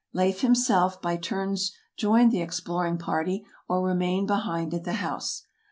Leif, himself, by turns joined the exploring party, or remained behind at the house.